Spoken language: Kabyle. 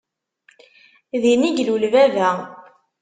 Din i ilul baba.